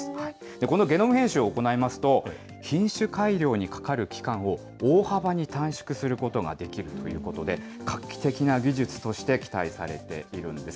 このゲノム編集を行いますと、品種改良にかかる期間を大幅に短縮することができるということで、画期的な技術として期待されているんです。